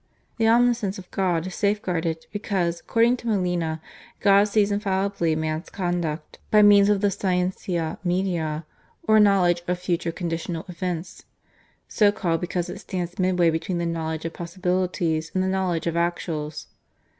The omniscience of God is safeguarded, because, according to Molina, God sees infallibly man's conduct by means of the /scientia media/ or knowledge of future conditional events (so called because it stands midway between the knowledge of possibles and the knowledge of actuals).